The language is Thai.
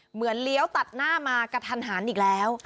เหมือนเลี้ยวตัดหน้ามากระทันหารอีกแล้ว